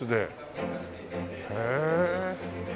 へえ！